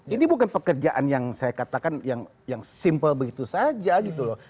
ini bukan pekerjaan yang saya katakan yang simple begitu saja gitu loh